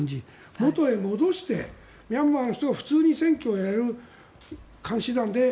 元へ戻してミャンマーの人たちが普通に選挙がやれる監視団で。